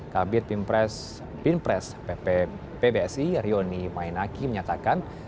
kabinet pimpres ppbsi rioni mainaki menyatakan